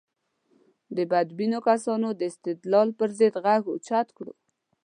د بدبینو کسانو د استدلال پر ضد غږ اوچت کړو.